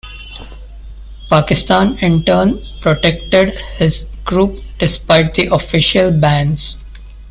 Pakistan in turn protected his group despite the official bans.